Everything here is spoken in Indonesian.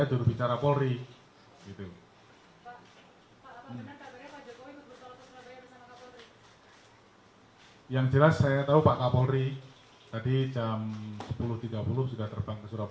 sudah beberapa waktu yang lalu mereka melakukan komunikasi itu terpantau oleh kita